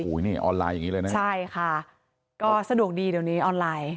ส่วนส่วนออกชัดเลย